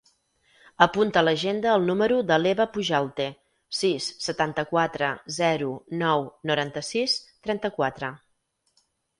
Apunta a l'agenda el número de l'Eva Pujalte: sis, setanta-quatre, zero, nou, noranta-sis, trenta-quatre.